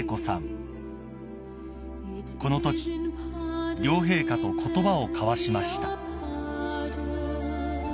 ［このとき両陛下と言葉を交わしました］